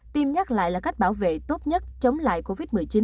tiêm nhắc lại là cách bảo vệ tốt nhất chống lại covid một mươi chín